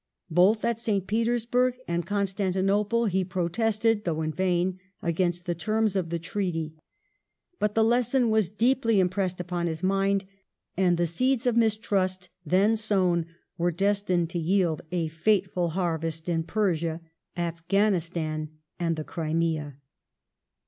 Both at St. Petersburg and Constantinople he protested, though in vain, ^ against the terms of the treaty. But the lesson was deeply im pressed upon his mind, and the seeds of mistrust then sown were destined to yield a fateful harvest in Persia, Afghanistan, and the Crimea.